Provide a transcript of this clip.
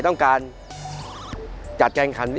ต้องการจัดแกนคันอะไร